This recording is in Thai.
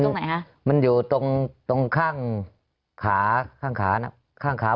ตรงไหนคะมันอยู่ตรงตรงข้างขาข้างขาน่ะข้างขา